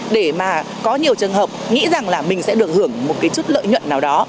để mà có nhiều trường hợp nghĩ rằng là mình sẽ được hưởng một cái chút lợi nhuận nào đó